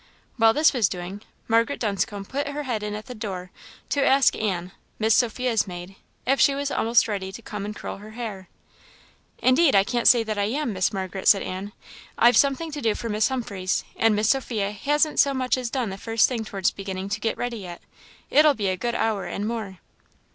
While this was doing, Margaret Dunscombe put her head in at the door to ask Anne, Miss Sophia's maid, if she was almost ready to come and curl her hair. "Indeed I can't say that I am, Miss Margaret," said Anne. "I've something to do for Miss Humphreys, and Miss Sophia hasn't so much as done the first thing towards beginning to get ready yet. It'll be a good hour, and more."